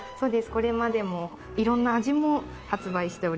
これまでも色んな味も発売しておりました。